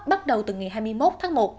bắt đầu từ ngày hai mươi một tháng một